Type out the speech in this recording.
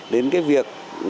đến cái việc